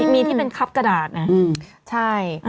มีที่เป็นคับจากตัวหนักเนี่ย